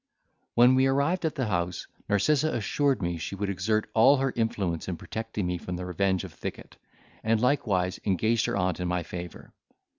When we arrived at the house, Narcissa assured me she would exert all her influence in protecting me from the revenge of Thicket, and likewise engage her aunt in my favour.